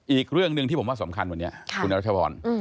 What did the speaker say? อีกเรื่องหนึ่งที่ผมว่าสำคัญวันนี้คุณรัชพร